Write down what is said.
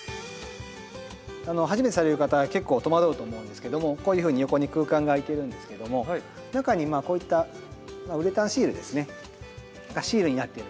初めてされる方は結構とまどうと思うんですけどもこういうふうに横に空間があいてるんですけども中にこういったウレタンシールですねシールになっているので。